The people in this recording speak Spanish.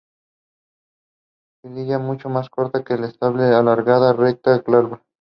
Quilla mucho más corta que el estandarte, alargada, recta, glabra.